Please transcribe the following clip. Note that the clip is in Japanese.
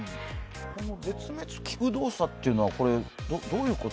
絶滅危惧動作っていうのはどういうこと？